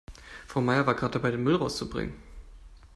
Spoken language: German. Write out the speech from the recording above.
Frau Meier war gerade dabei, den Müll herauszubringen.